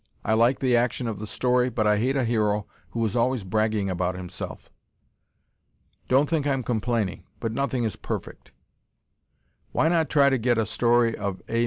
I like the action of the story, but I hate a hero who is always bragging about himself. Don't think I'm complaining, but nothing is perfect. Why not try to get a story of A.